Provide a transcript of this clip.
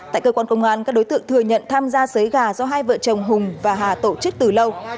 tại cơ quan công an các đối tượng thừa nhận tham gia xấy gà do hai vợ chồng hùng và hà tổ chức từ lâu